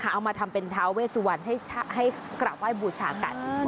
เอามาทำเป็นท้าเวสวันให้กราบไหว้บูชากัน